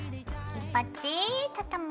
引っ張って畳む。